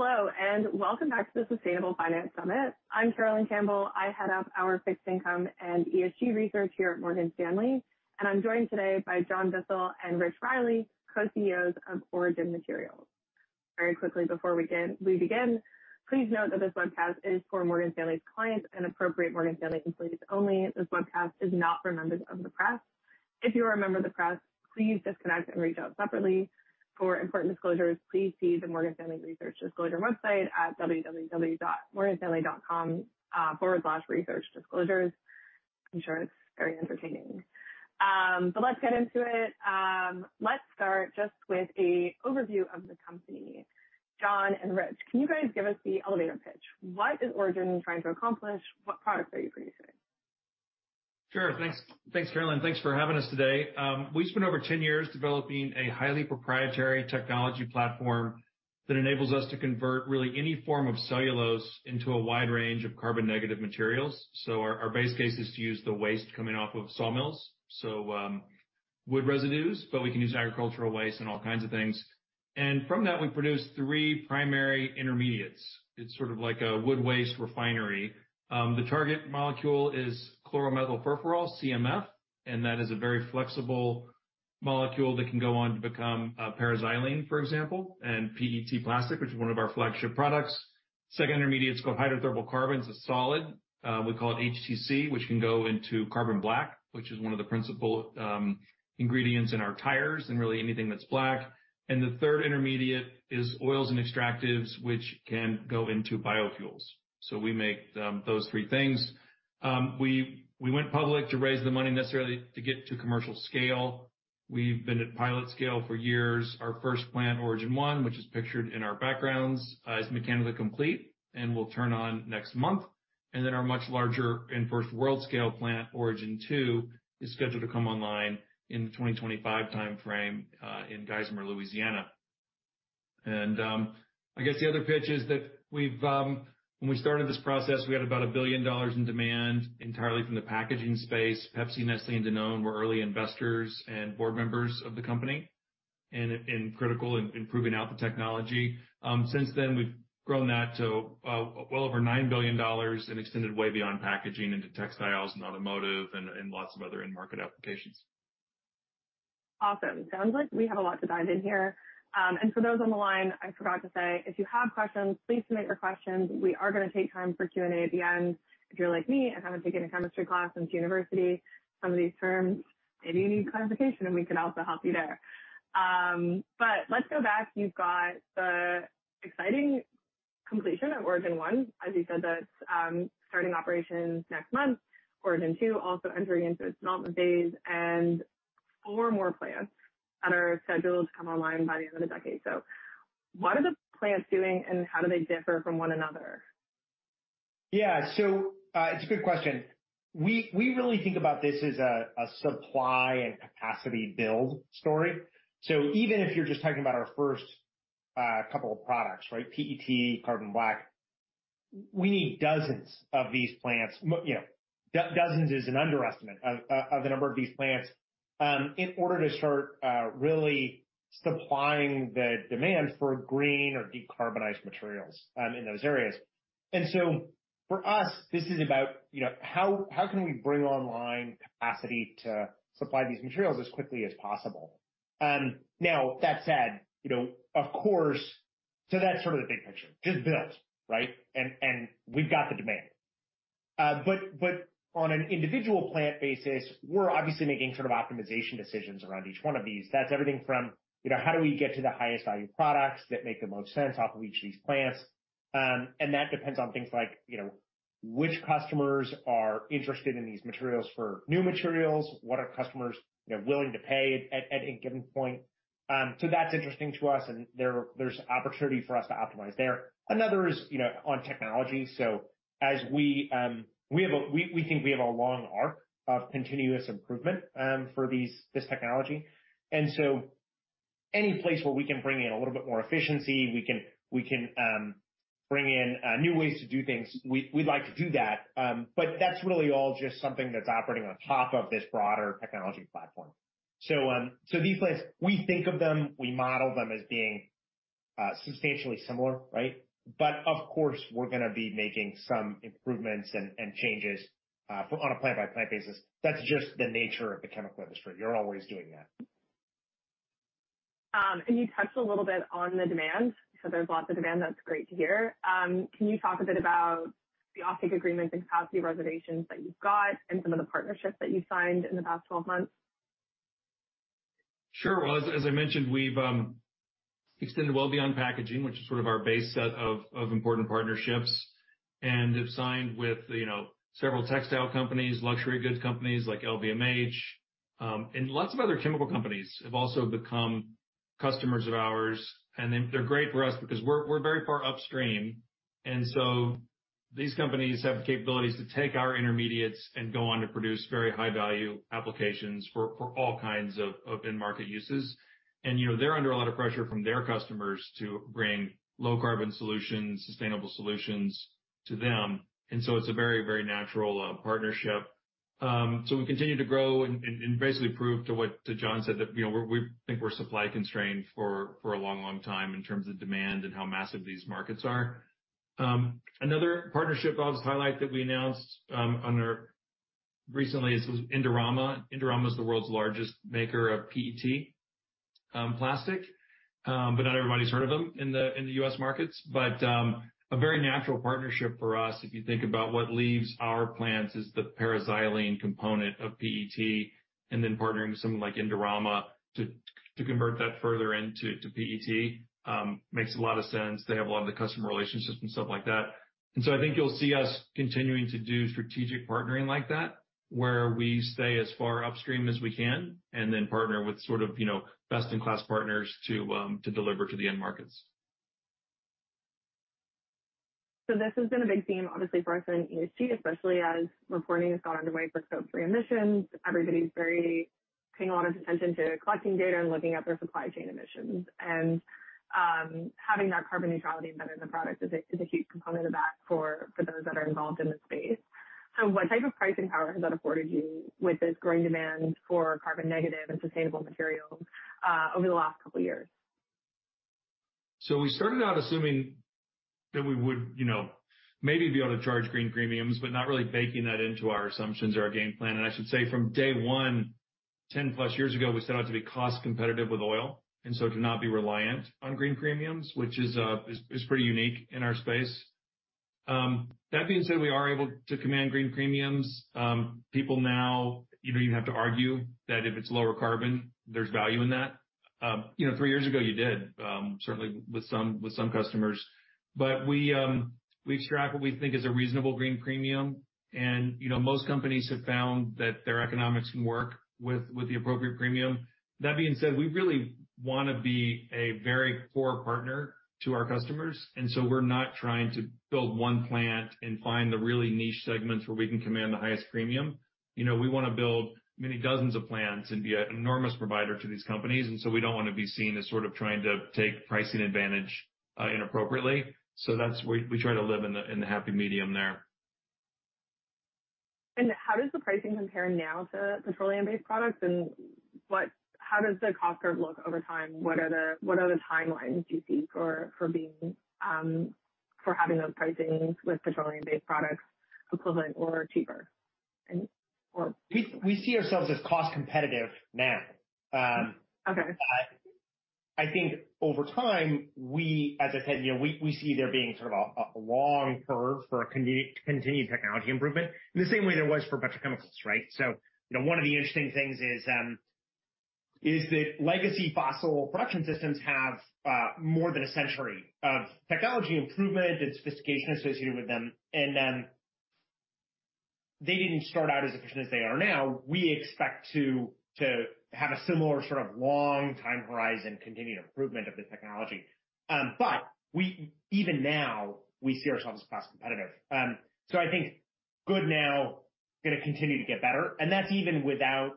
Hello, welcome back to the Sustainable Finance Summit. I'm Carolyn Campbell. I head up our fixed income and ESG research here at Morgan Stanley. I'm joined today by John Bissell and Rich Riley, co-CEOs of Origin Materials. Very quickly, before we begin, please note that this webcast is for Morgan Stanley's clients and appropriate Morgan Stanley employees only. This webcast is not for members of the press. If you are a member of the press, please disconnect and reach out separately. For important disclosures, please see the Morgan Stanley Research Disclosure website at www.morganstanley.com/researchdisclosures. I'm sure it's very entertaining. Let's get into it. Let's start just with a overview of the company. John and Rich, can you guys give us the elevator pitch? What is Origin trying to accomplish? What products are you producing? Sure. Thanks. Thanks, Carolyn. Thanks for having us today. We spent over 10 years developing a highly proprietary technology platform that enables us to convert really any form of cellulose into a wide range of carbon-negative materials. Our base case is to use the waste coming off of sawmills, so, wood residues, but we can use agricultural waste and all kinds of things. From that we produce three primary intermediates. It's sort of like a wood waste refinery. The target molecule is chloromethylfurfural, CMF, and that is a very flexible molecule that can go on to become, paraxylene, for example, and PET plastic, which is one of our flagship products. Second intermediate is called hydrothermal carbon. It's a solid. We call it HTC, which can go into carbon black, which is one of the principal ingredients in our tires and really anything that's black. The third intermediate is oils and extractives, which can go into biofuels. We make those three things. We went public to raise the money necessarily to get to commercial scale. We've been at pilot scale for years. Our first plant, Origin One, which is pictured in our backgrounds, is mechanically complete and will turn on next month. Then our much larger and first world scale plant, Origin Two, is scheduled to come online in the 2025 timeframe in Geismar, Louisiana. I guess the other pitch is that we've When we started this process, we had about $1 billion in demand entirely from the packaging space. Pepsi, Nestle, and Danone were early investors and board members of the company and critical in proving out the technology. Since then, we've grown that to well over $9 billion and extended way beyond packaging into textiles and automotive and lots of other end market applications. Awesome. Sounds like we have a lot to dive in here. For those on the line, I forgot to say, if you have questions, please submit your questions. We are gonna take time for Q&A at the end. If you're like me and haven't taken a chemistry class since university, some of these terms, maybe you need clarification, and we can also help you there. Let's go back. You've got the exciting completion of Origin One. As you said, that's starting operations next month. Origin Two also entering into its development phase and four more plants that are scheduled to come online by the end of the decade. What are the plants doing, and how do they differ from one another? Yeah. It's a good question. We really think about this as a supply and capacity build story. Even if you're just talking about our first couple of products, right? PET, carbon black, we need dozens of these plants. You know, dozens is an underestimate of the number of these plants in order to start really supplying the demand for green or decarbonized materials in those areas. For us, this is about, you know, how can we bring online capacity to supply these materials as quickly as possible? Now that said, you know, of course, that's sort of the big picture. Just build, right? We've got the demand. On an individual plant basis, we're obviously making sort of optimization decisions around each one of these. That's everything from, you know, how do we get to the highest value products that make the most sense off of each of these plants? And that depends on things like, you know, which customers are interested in these materials for new materials? What are customers, you know, willing to pay at a given point? That's interesting to us, and there's opportunity for us to optimize there. Another is, you know, on technology. As we think we have a long arc of continuous improvement for this technology. Any place where we can bring in a little bit more efficiency, we can bring in new ways to do things, we'd like to do that. That's really all just something that's operating on top of this broader technology platform. These plants, we think of them, we model them as being substantially similar, right? Of course, we're gonna be making some improvements and changes on a plant-by-plant basis. That's just the nature of the chemical industry. You're always doing that. You touched a little bit on the demand. There's lots of demand. That's great to hear. Can you talk a bit about the offtake agreement and capacity reservations that you've got and some of the partnerships that you've signed in the past 12 months? Sure. Well, as I mentioned, we've extended well beyond packaging, which is sort of our base set of important partnerships, and have signed with, you know, several textile companies, luxury goods companies like LVMH, and lots of other chemical companies have also become customers of ours. They're great for us because we're very far upstream, and so these companies have the capabilities to take our intermediates and go on to produce very high-value applications for all kinds of end market uses. You know, they're under a lot of pressure from their customers to bring low-carbon solutions, sustainable solutions to them. It's a very natural partnership. We continue to grow and basically prove to John said that, you know, we're, we think we're supply constrained for a long time in terms of demand and how massive these markets are. Another partnership I'll just highlight that we announced recently is Indorama. Indorama is the world's largest maker of PET plastic, but not everybody's heard of them in the U.S. markets. A very natural partnership for us, if you think about what leaves our plants is the para-xylene component of PET, and then partnering with someone like Indorama to convert that further into PET, makes a lot of sense. They have a lot of the customer relationships and stuff like that. I think you'll see us continuing to do strategic partnering like that, where we stay as far upstream as we can and then partner with sort of, you know, best in class partners to deliver to the end markets. This has been a big theme obviously for us in ESG, especially as reporting has gone underway for Scope 3 emissions. Everybody's very paying a lot of attention to collecting data and looking at their supply chain emissions. Having that carbon neutrality embedded in the product is a huge component of that for those that are involved in the space. What type of pricing power has that afforded you with this growing demand for carbon negative and sustainable materials over the last couple of years? We started out assuming that we would, you know, maybe be able to charge green premiums, but not really baking that into our assumptions or our game plan. I should say from day one, 10+ years ago, we set out to be cost competitive with oil and so to not be reliant on green premiums, which is pretty unique in our space. That being said, we are able to command green premiums. People now even have to argue that if it's lower carbon, there's value in that. You know, three years ago you did, certainly with some customers. We've struck what we think is a reasonable green premium. You know, most companies have found that their economics can work with the appropriate premium. That being said, we really wanna be a very poor partner to our customers, and so we're not trying to build one plant and find the really niche segments where we can command the highest premium. You know, we wanna build many dozens of plants and be an enormous provider to these companies. We don't wanna be seen as sort of trying to take pricing advantage inappropriately. That's where we try to live in the happy medium there. How does the pricing compare now to petroleum-based products and how does the cost curve look over time? What are the timelines you see for being for having those pricings with petroleum-based products equivalent or cheaper and or? We see ourselves as cost competitive now. Okay. I think over time, we as I said, you know, we see there being sort of a long curve for continued technology improvement in the same way there was for petrochemicals, right? You know, one of the interesting things is that legacy fossil production systems have more than a century of technology improvement and sophistication associated with them. They didn't start out as efficient as they are now. We expect to have a similar sort of long time horizon, continued improvement of the technology. We even now, we see ourselves as cost competitive. I think good now gonna continue to get better. That's even without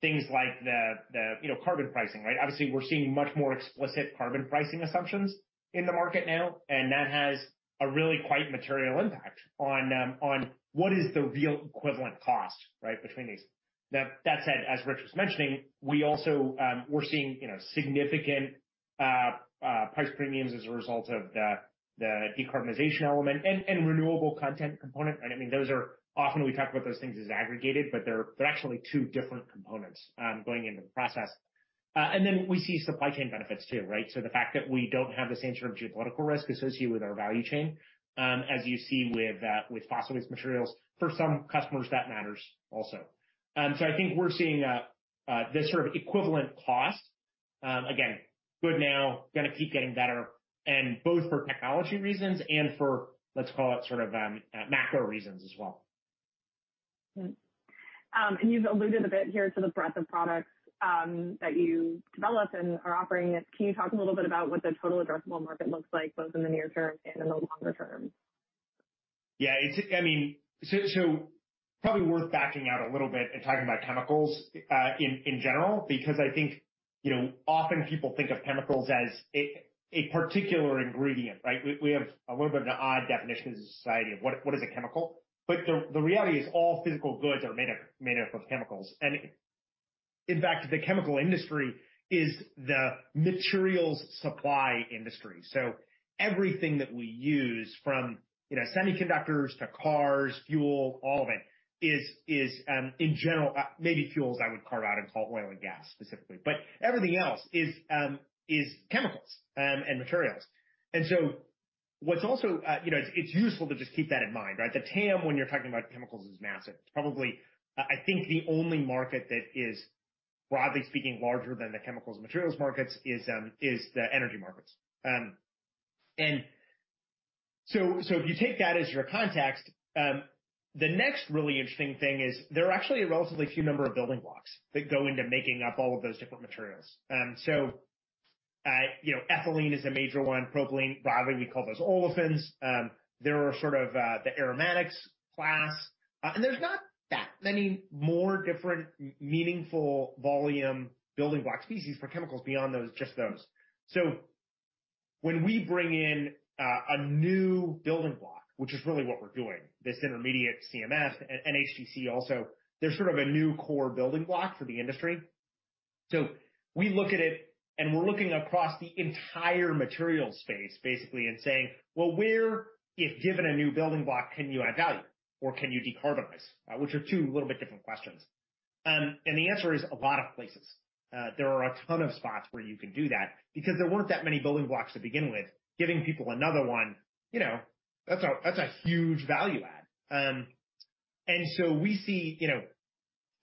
things like the, you know, carbon pricing, right? Obviously, we're seeing much more explicit carbon pricing assumptions in the market now, and that has a really quite material impact on what is the real equivalent cost, right, between these. Now that said, as Rich was mentioning, we also, we're seeing, you know, significant price premiums as a result of the decarbonization element and renewable content component. I mean, those are often we talk about those things as aggregated, but they're actually two different components going into the process. Then we see supply chain benefits too, right? The fact that we don't have the same sort of geopolitical risk associated with our value chain, as you see with fossil-based materials. For some customers, that matters also. I think we're seeing this sort of equivalent cost, again, good now gonna keep getting better and both for technology reasons and for, let's call it sort of, macro reasons as well. You've alluded a bit here to the breadth of products that you develop and are offering. Can you talk a little bit about what the total addressable market looks like, both in the near term and in the longer term? Yeah. It's, I mean, so probably worth backing out a little bit and talking about chemicals, in general, because I think, you know, often people think of chemicals as a particular ingredient, right? We have a little bit of an odd definition as a society of what is a chemical. The reality is all physical goods are made of, made up of chemicals. In fact, the chemical industry is the materials supply industry. Everything that we use from, you know, semiconductors to cars, fuel, all of it is, in general, maybe fuels I would carve out and call oil and gas specifically, but everything else is chemicals and materials. What's also, you know, it's useful to just keep that in mind, right? The TAM when you're talking about chemicals is massive. It's probably, I think the only market that is, broadly speaking, larger than the chemicals materials markets is the energy markets. If you take that as your context, the next really interesting thing is there are actually a relatively few number of building blocks that go into making up all of those different materials. You know, Ethylene is a major one. Propylene, broadly, we call those Olefins. There are sort of the Aromatics class, there's not that many more different meaningful volume building block species for chemicals beyond those, just those. When we bring in a new building block, which is really what we're doing, this intermediate CMF and HTC also, there's sort of a new core building block for the industry. We look at it and we're looking across the entire material space basically, and saying, "Well, where, if given a new building block, can you add value or can you decarbonize?" Which are two a little bit different questions. The answer is a lot of places. There are a ton of spots where you can do that because there weren't that many building blocks to begin with, giving people another one, you know, that's a, that's a huge value add. We see, you know,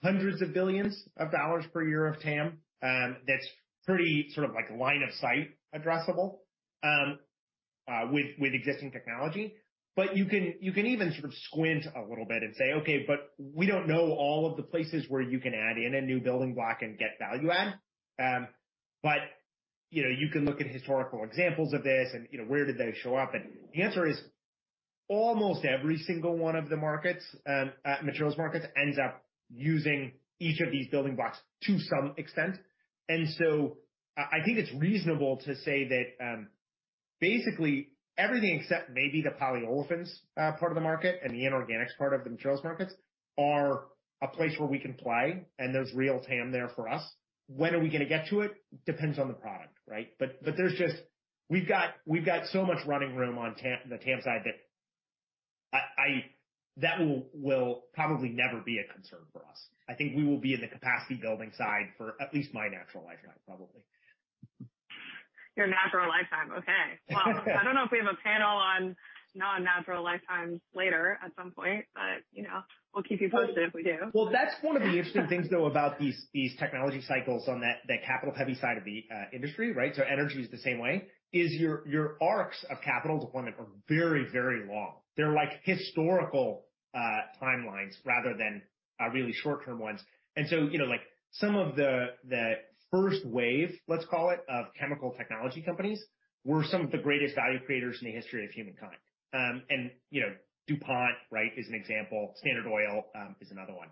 hundreds of billions of dollars per year of TAM, that's pretty sort of like line of sight addressable, with existing technology. You can even sort of squint a little bit and say, "Okay, but we don't know all of the places where you can add in a new building block and get value add." You know, you can look at historical examples of this and, you know, where did they show up? The answer is, almost every single one of the markets, materials markets ends up using each of these building blocks to some extent. So I think it's reasonable to say that, basically everything except maybe the polyolefins part of the market and the inorganics part of the materials markets are a place where we can play and there's real TAM there for us. When are we gonna get to it? Depends on the product, right? There's just... We've got so much running room on TAM, the TAM side that will probably never be a concern for us. I think we will be in the capacity building side for at least my natural lifetime, probably. Your natural lifetime. Okay. Well, I don't know if we have a panel on non-natural lifetimes later at some point, but, you know, we'll keep you posted if we do. That's one of the interesting things though about these technology cycles on the capital-heavy side of the industry, right? Energy is the same way, is your arcs of capital deployment are very long. They're like historical timelines rather than really short-term ones. You know, like some of the first wave, let's call it, of chemical technology companies were some of the greatest value creators in the history of humankind. You know, DuPont, right, is an example. Standard Oil is another one.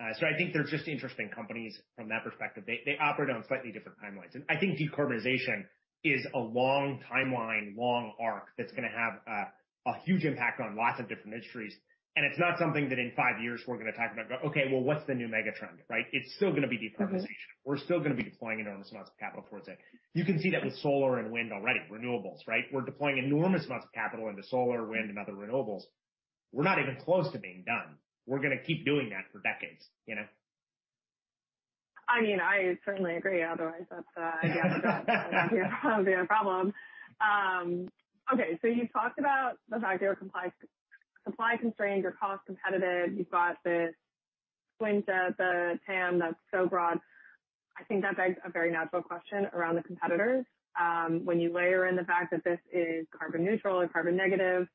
I think they're just interesting companies from that perspective. They operate on slightly different timelines. I think decarbonization is a long timeline, long arc that's gonna have a huge impact on lots of different industries. It's not something that in five years we're gonna talk about, go, "Okay, well, what's the new mega trend?" Right? It's still gonna be decarbonization. Mm-hmm. We're still gonna be deploying enormous amounts of capital towards it. You can see that with solar and wind already, renewables, right? We're deploying enormous amounts of capital into solar, wind and other renewables. We're not even close to being done. We're gonna keep doing that for decades, you know? I mean, I certainly agree. Otherwise, that's. Yeah, that'd be a problem. You talked about the fact there are supply constraints, you're cost competitive, you've got this squint at the TAM that's so broad. I think that begs a very natural question around the competitors, when you layer in the fact that this is carbon neutral or carbon negative.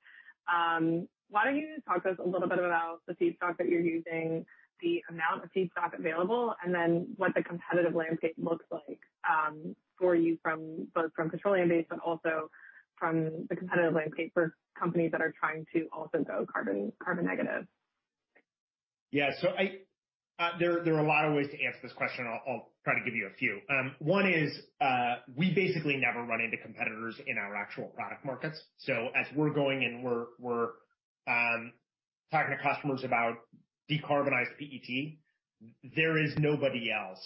Why don't you talk to us a little bit about the feedstock that you're using, the amount of feedstock available, and then what the competitive landscape looks like, for you from both petroleum-based, but also from the competitive landscape for companies that are trying to also go carbon negative. Yeah. I, there are a lot of ways to answer this question. I'll try to give you a few. One is, we basically never run into competitors in our actual product markets. As we're going in, we're talking to customers about decarbonized PET, there is nobody else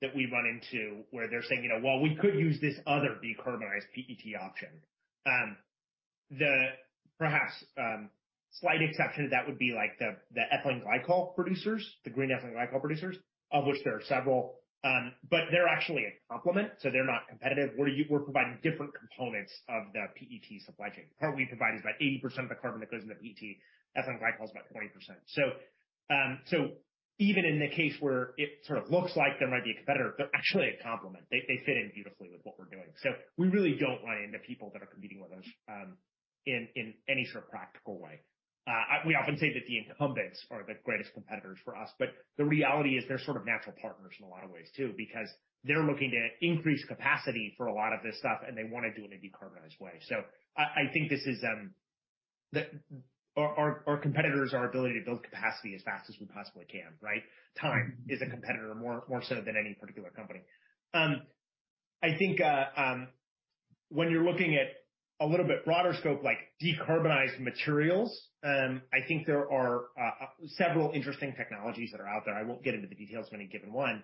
that we run into where they're saying, you know, "Well, we could use this other decarbonized PET option." The perhaps, slight exception to that would be like the ethylene glycol producers, the green ethylene glycol producers, of which there are several, but they're actually a complement, so they're not competitive. We're providing different components of the PET supply chain. The part we provide is about 80% of the carbon that goes into PET. Ethylene glycol is about 20%. Even in the case where it sort of looks like there might be a competitor, they fit in beautifully with what we're doing. We really don't run into people that are competing with us, in any sort of practical way. We often say that the incumbents are the greatest competitors for us, but the reality is they're sort of natural partners in a lot of ways too, because they're looking to increase capacity for a lot of this stuff, and they wanna do it in a decarbonized way. I think this is, our competitors, our ability to build capacity as fast as we possibly can, right? Time is a competitor more so than any particular company. I think, when you're looking at a little bit broader scope, like decarbonized materials, I think there are several interesting technologies that are out there. I won't get into the details of any given one.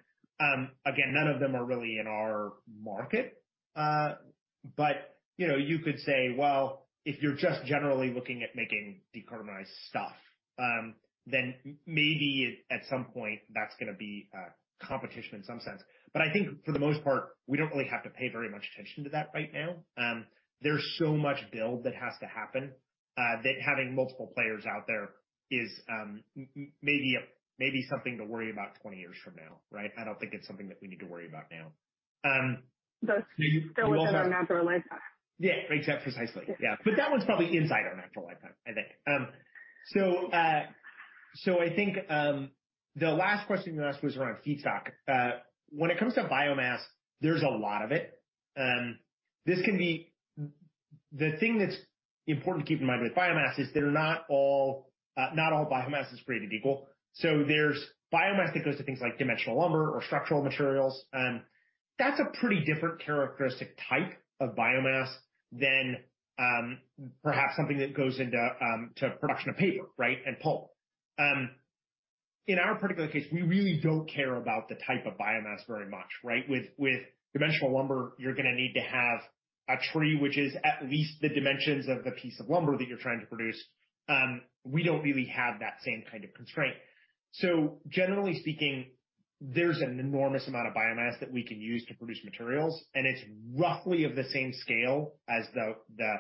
Again, none of them are really in our market. You know, you could say, well, if you're just generally looking at making decarbonized stuff, then maybe at some point that's gonna be competition in some sense. I think for the most part, we don't really have to pay very much attention to that right now. There's so much build that has to happen that having multiple players out there is maybe a, maybe something to worry about 20 years from now, right? I don't think it's something that we need to worry about now. That's still within our natural lifetime. Yeah. Except precisely. Yeah. That one's probably inside our natural lifetime, I think. I think the last question you asked was around feedstock. When it comes to biomass, there's a lot of it. The thing that's important to keep in mind with biomass is they're not all, not all biomass is created equal. There's biomass that goes to things like dimensional lumber or structural materials. That's a pretty different characteristic type of biomass than perhaps something that goes into production of paper, right? And pulp. In our particular case, we really don't care about the type of biomass very much, right? With dimensional lumber, you're gonna need to have a tree which is at least the dimensions of the piece of lumber that you're trying to produce. We don't really have that same kind of constraint. Generally speaking, there's an enormous amount of biomass that we can use to produce materials, and it's roughly of the same scale as the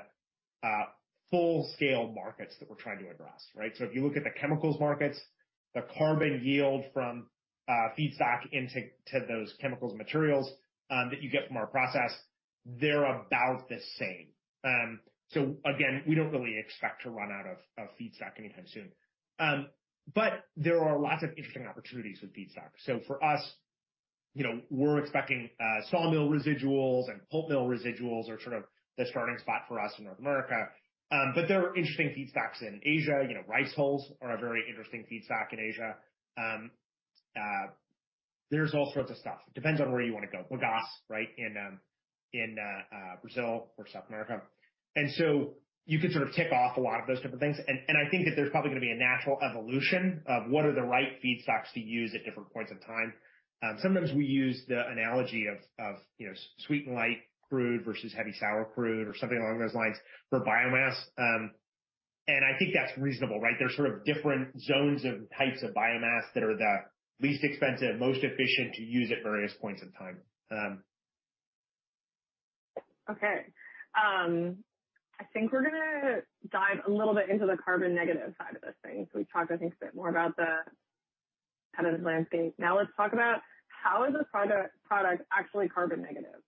full-scale markets that we're trying to address, right? If you look at the chemicals markets, the carbon yield from feedstock to those chemicals and materials that you get from our process, they're about the same. Again, we don't really expect to run out of feedstock anytime soon. There are lots of interesting opportunities with feedstock. For us, you know, we're expecting sawmill residuals and pulp mill residuals are sort of the starting spot for us in North America. There are interesting feedstocks in Asia. You know, rice hulls are a very interesting feedstock in Asia. There's all sorts of stuff. It depends on where you wanna go. Bagasse, right, in Brazil or South America. You could sort of tick off a lot of those different things. I think that there's probably gonna be a natural evolution of what are the right feedstocks to use at different points in time. Sometimes we use the analogy of, you know, sweet and light crude versus heavy sour crude or something along those lines for biomass. I think that's reasonable, right? There's sort of different zones of types of biomass that are the least expensive, most efficient to use at various points in time. I think we're gonna dive a little bit into the carbon negative side of this thing. We've talked, I think, a bit more about the kind of landscape. Let's talk about how is this product actually carbon negative?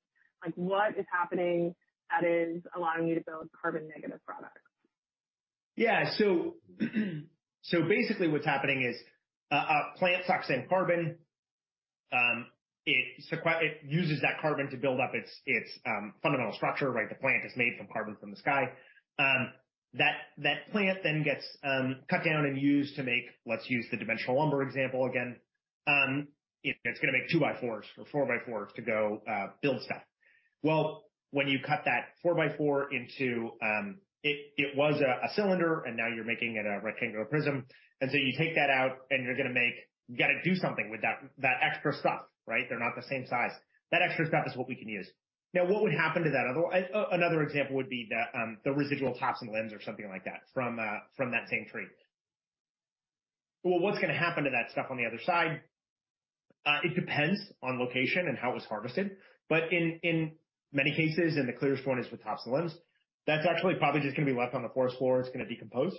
Like, what is happening that is allowing you to build carbon negative products? Yeah. So basically what's happening is a plant sucks in carbon. It uses that carbon to build up its fundamental structure, right? The plant is made from carbon from the sky. That, that plant then gets cut down and used to make. Let's use the dimensional lumber example again. It's gonna make two-by-fours or four-by-fours to go build stuff. Well, when you cut that four-by-four into. It, it was a cylinder, and now you're making it a rectangular prism. You take that out and you're gonna make. You gotta do something with that extra stuff, right? They're not the same size. That extra stuff is what we can use. Now, what would happen to that other. Another example would be the residual tops and limbs or something like that from that same tree. What's gonna happen to that stuff on the other side? It depends on location and how it was harvested. But in many cases, and the clearest one is with tops and limbs, that's actually probably just gonna be left on the forest floor. It's gonna decompose.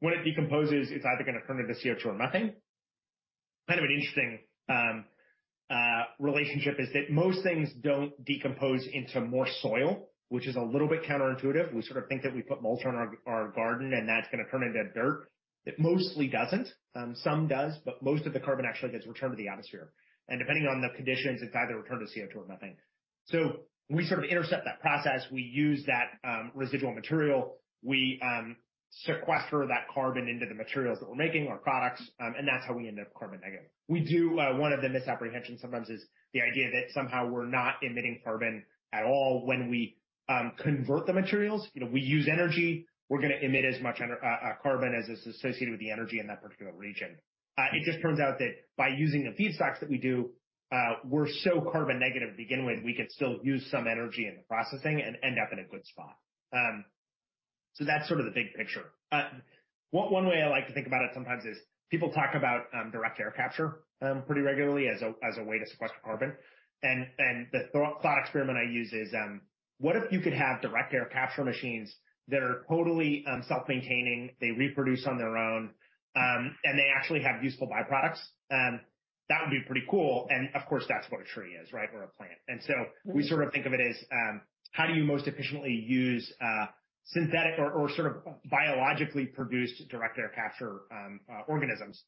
When it decomposes, it's either gonna turn into CO2 or methane. Kind of an interesting relationship is that most things don't decompose into more soil, which is a little bit counterintuitive. We sort of think that we put mulch on our garden, and that's gonna turn into dirt. It mostly doesn't. Some does, but most of the carbon actually gets returned to the atmosphere. Depending on the conditions, it's either returned to CO2 or methane. We sort of intercept that process. We use that residual material. We sequester that carbon into the materials that we're making, our products, that's how we end up carbon negative. One of the misapprehensions sometimes is the idea that somehow we're not emitting carbon at all when we convert the materials. You know, we use energy. We're gonna emit as much carbon as is associated with the energy in that particular region. It just turns out that by using the feedstocks that we do, we're so carbon negative to begin with, we could still use some energy in the processing and end up in a good spot. That's sort of the big picture. One way I like to think about it sometimes is people talk about direct air capture pretty regularly as a way to sequester carbon. The thought experiment I use is, what if you could have direct air capture machines that are totally self-maintaining, they reproduce on their own, and they actually have useful byproducts? That would be pretty cool and, of course, that's what a tree is, right? Or a plant. We sort of think of it as, how do you most efficiently use synthetic or sort of biologically produced direct air capture organisms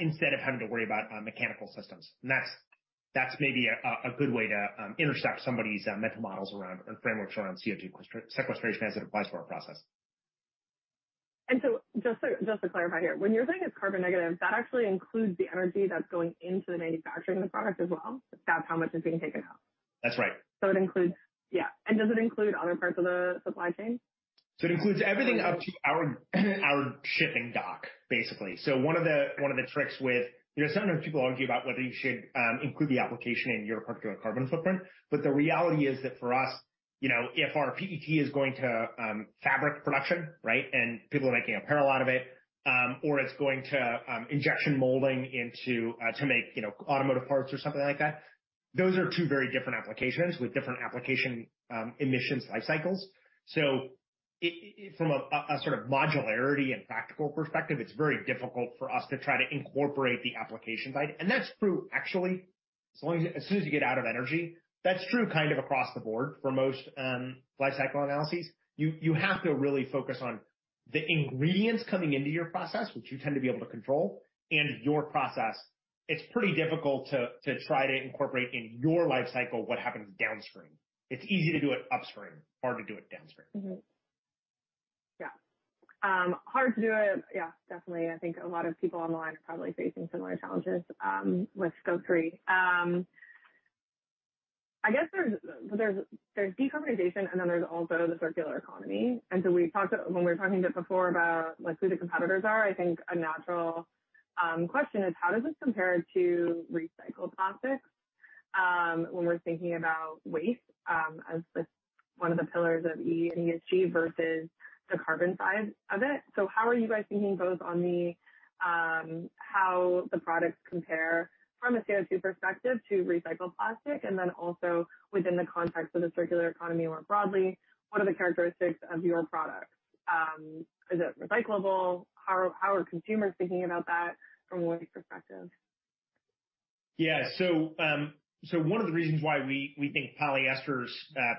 instead of having to worry about mechanical systems. That's maybe a good way to intercept somebody's mental models around or frameworks around CO2 sequestration as it applies to our process. Just to clarify here, when you're saying it's carbon negative, that actually includes the energy that's going into manufacturing the product as well? That's how much is being taken out. That's right. it includes. Yeah. does it include other parts of the supply chain? It includes everything up to our shipping dock, basically. One of the tricks with, you know, sometimes people argue about whether you should include the application in your particular carbon footprint, but the reality is that for us, you know, if our PET is going to fabric production, right? Or it's going to injection molding to make, you know, automotive parts or something like that, those are two very different applications with different application emissions life cycles. From a sort of modularity and practical perspective, it's very difficult for us to try to incorporate the application side. That's true, actually, as soon as you get out of energy, that's true kind of across the board for most life cycle analyses. You have to really focus. The ingredients coming into your process, which you tend to be able to control, and your process, it's pretty difficult to try to incorporate in your life cycle what happens downstream. It's easy to do it upstream, hard to do it downstream. Mm-hmm. Yeah. Hard to do it. Yeah, definitely. I think a lot of people on the line are probably facing similar challenges with Scope 3. I guess there's decarbonization, and then there's also the circular economy. When we were talking before about, like, who the competitors are, I think a natural question is how does this compare to recycled plastics when we're thinking about waste as this one of the pillars of E in ESG versus the carbon side of it. How are you guys thinking both on the how the products compare from a CO2 perspective to recycled plastic, and then also within the context of the circular economy more broadly, what are the characteristics of your product? Is it recyclable? How are consumers thinking about that from a waste perspective? Yeah. One of the reasons why we think polyesters,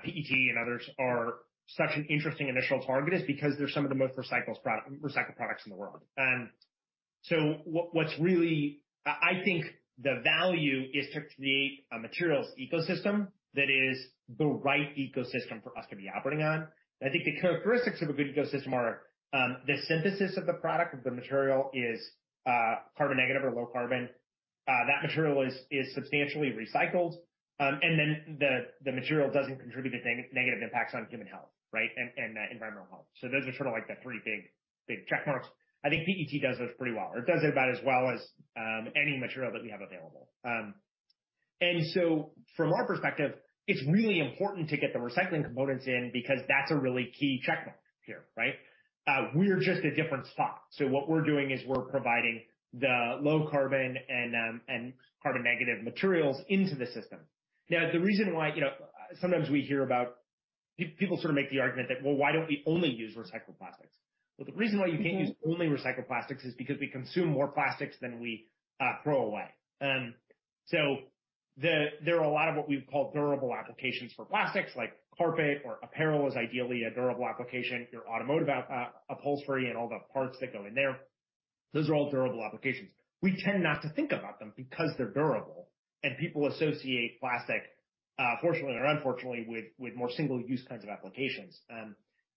PET and others are such an interesting initial target is because they're some of the most recycled products in the world. I think the value is to create a materials ecosystem that is the right ecosystem for us to be operating on. I think the characteristics of a good ecosystem are, the synthesis of the product, of the material is carbon negative or low carbon. That material is substantially recycled, and then the material doesn't contribute to negative impacts on human health, right, and environmental health. Those are sort of like the three big check marks. I think PET does those pretty well. It does it about as well as any material that we have available. From our perspective, it's really important to get the recycling components in because that's a really key check mark here, right? We're just a different spot. What we're doing is we're providing the low carbon and carbon negative materials into the system. The reason why, you know, sometimes we hear about people sort of make the argument that, "Well, why don't we only use recycled plastics?" The reason why you can't use only recycled plastics is because we consume more plastics than we throw away. There are a lot of what we would call durable applications for plastics, like carpet or apparel is ideally a durable application. Your automotive upholstery and all the parts that go in there, those are all durable applications. We tend not to think about them because they're durable and people associate plastic, fortunately or unfortunately, with more single-use kinds of applications.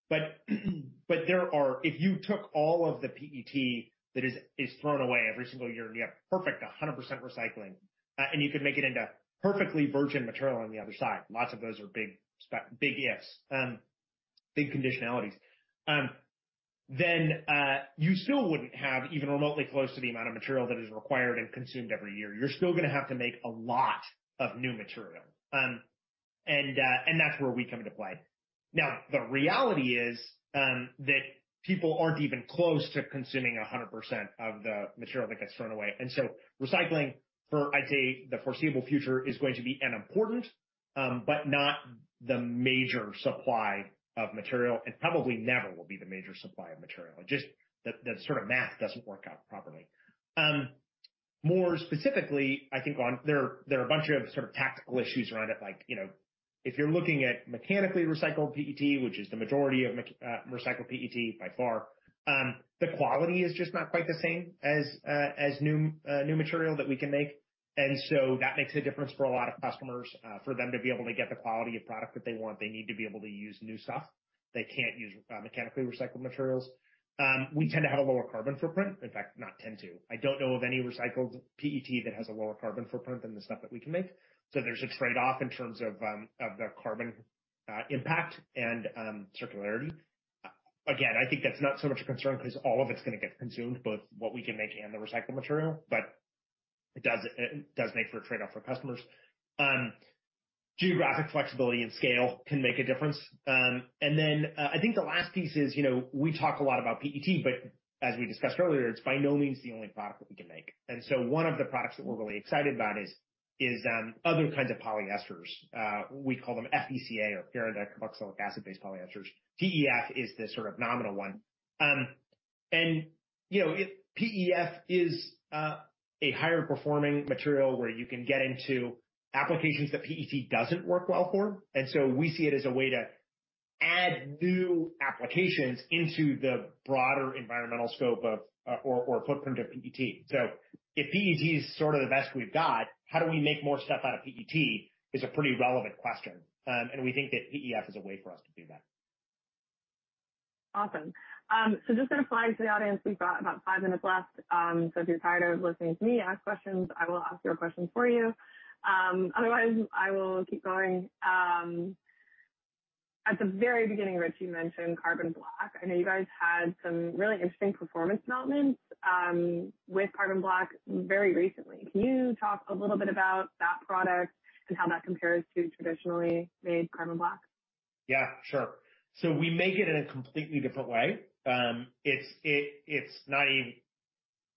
There are, if you took all of the PET that is thrown away every single year and you have perfect 100% recycling, and you could make it into perfectly virgin material on the other side, lots of those are big ifs, big conditionalities, then you still wouldn't have even remotely close to the amount of material that is required and consumed every year. You're still gonna have to make a lot of new material. That's where we come into play. Now, the reality is, that people aren't even close to consuming 100% of the material that gets thrown away. Recycling for, I'd say, the foreseeable future is going to be an important, but not the major supply of material, and probably never will be the major supply of material. Just the sort of math doesn't work out properly. More specifically, there are a bunch of sort of tactical issues around it, like, you know, if you're looking at mechanically recycled PET, which is the majority of recycled PET by far, the quality is just not quite the same as new material that we can make. That makes a difference for a lot of customers. For them to be able to get the quality of product that they want, they need to be able to use new stuff. They can't use mechanically recycled materials. We tend to have a lower carbon footprint. In fact, not tend to. I don't know of any recycled PET that has a lower carbon footprint than the stuff that we can make. There's a trade-off in terms of the carbon impact and circularity. Again, I think that's not so much a concern because all of it's gonna get consumed, both what we can make and the recycled material, but it does make for a trade-off for customers. Geographic flexibility and scale can make a difference. I think the last piece is, you know, we talk a lot about PET, but as we discussed earlier, it's by no means the only product that we can make. One of the products that we're really excited about is other kinds of polyesters. We call them FDCA or furandicarboxylic acid-based polyesters. PEF is the sort of nominal one. You know, PEF is a higher performing material where you can get into applications that PET doesn't work well for. We see it as a way to add new applications into the broader environmental scope of, or footprint of PET. If PET is sort of the best we've got, how do we make more stuff out of PET is a pretty relevant question. We think that PEF is a way for us to do that. Awesome. Just sort of flying to the audience, we've got about five minutes left. If you're tired of listening to me ask questions, I will ask your questions for you. Otherwise, I will keep going. At the very beginning, Rich, you mentioned carbon black. I know you guys had some really interesting performance announcements, with carbon black very recently. Can you talk a little bit about that product and how that compares to traditionally made carbon black? Yeah, sure. We make it in a completely different way.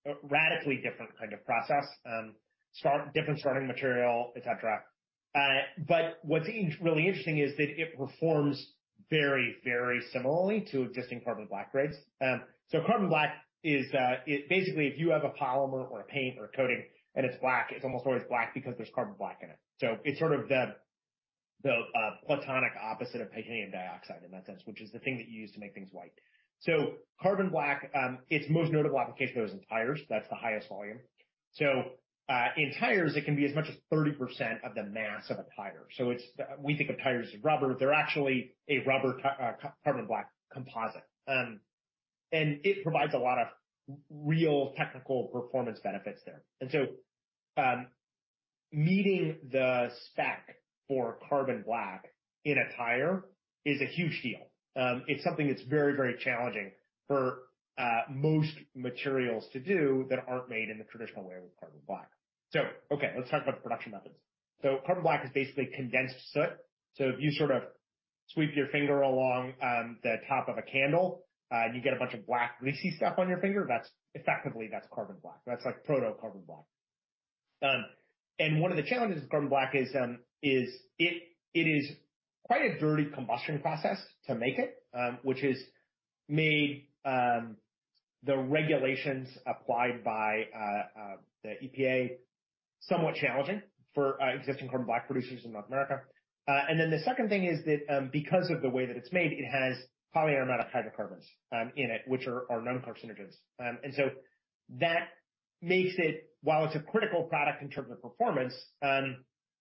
A radically different kind of process. Different starting material, et cetera. What's really interesting is that it performs very, very similarly to existing carbon black grades. Carbon black is basically, if you have a polymer or a paint or a coating and it's black, it's almost always black because there's carbon black in it. It's sort of the platonic opposite of titanium dioxide in that sense, which is the thing that you use to make things white. Carbon black, its most notable application is in tires. That's the highest volume. In tires, it can be as much as 30% of the mass of a tire. We think of tires as rubber. They're actually a rubber carbon black composite. It provides a lot of real technical performance benefits there. Meeting the spec for carbon black in a tire is a huge deal. It's something that's very, very challenging for most materials to do that aren't made in the traditional way with carbon black. Okay, let's talk about the production methods. Carbon black is basically condensed soot. If you sort of sweep your finger along the top of a candle and you get a bunch of black, greasy stuff on your finger, that's effectively, that's carbon black. That's like proto carbon black. One of the challenges with carbon black is it is quite a dirty combustion process to make it, which has made the regulations applied by the EPA somewhat challenging for existing carbon black producers in North America. The second thing is that because of the way that it's made, it has polyaromatic hydrocarbons in it, which are known carcinogens. That makes it, while it's a critical product in terms of performance,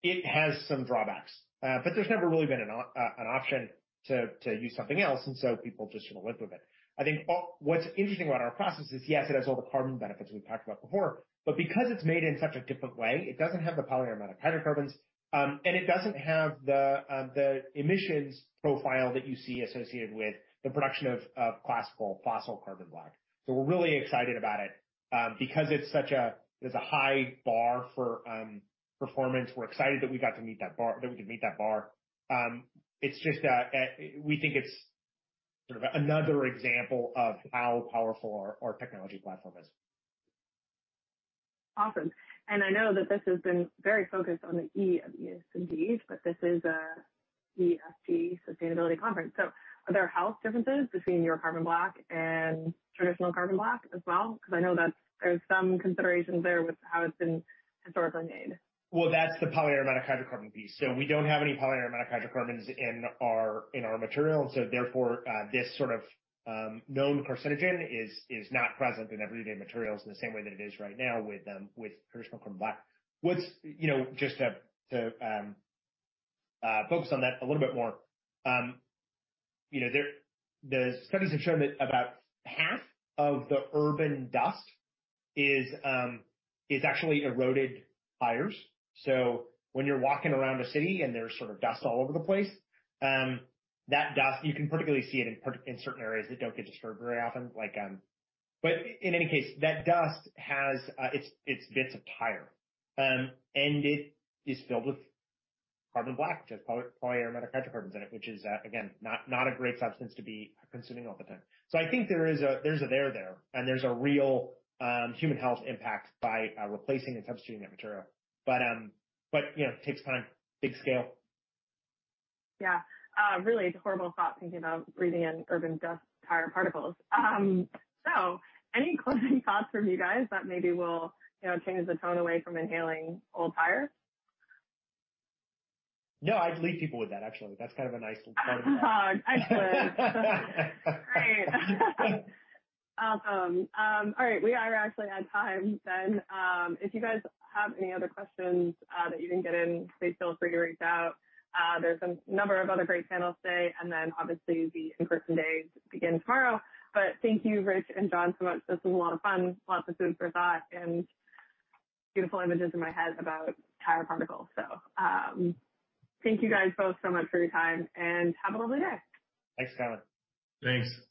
it has some drawbacks. There's never really been an option to use something else. People just sort of live with it. I think what's interesting about our process is, yes, it has all the carbon benefits we've talked about before, but because it's made in such a different way, it doesn't have the polyaromatic hydrocarbons, and it doesn't have the emissions profile that you see associated with the production of classical fossil carbon black. We're really excited about it because there's a high bar for performance. We're excited that we can meet that bar. It's just that we think it's sort of another example of how powerful our technology platform is. Awesome. I know that this has been very focused on the E of ESG, but this is a ESG sustainability conference. Are there health differences between your carbon black and traditional carbon black as well? I know that there's some considerations there with how it's been historically made. Well, that's the polyaromatic hydrocarbon piece. We don't have any polyaromatic hydrocarbons in our material. Therefore, this sort of known carcinogen is not present in everyday materials in the same way that it is right now with traditional carbon black. You know, just to focus on that a little bit more. You know, The studies have shown that about half of the urban dust is actually eroded tires. When you're walking around a city and there's sort of dust all over the place, that dust, you can particularly see it in certain areas that don't get disturbed very often, like... In any case, that dust has its bits of tire, and it is filled with carbon black, just polyaromatic hydrocarbons in it, which is again, not a great substance to be consuming all the time. I think there's a there there, and there's a real human health impact by replacing and substituting that material. You know, takes time, big scale. Yeah. Really it's a horrible thought thinking about breathing in urban dust, tire particles. Any closing thoughts from you guys that maybe will, you know, change the tone away from inhaling old tires? No, I'd leave people with that, actually. That's kind of a nice part of the- Oh, excellent. Great. Awesome. All right. We are actually at time then. If you guys have any other questions that you didn't get in, please feel free to reach out. There's a number of other great panels today, and then obviously the in-person days begin tomorrow. Thank you, Rich and John, so much. This was a lot of fun, lots of food for thought and beautiful images in my head about tire particles. Thank you guys both so much for your time and have a lovely day. Thanks, Carla. Thanks.